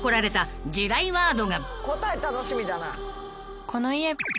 答え楽しみだな。